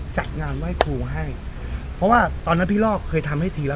จัดงานไหว้ครูให้เพราะว่าตอนนั้นพี่รอบเคยทำให้ทีละ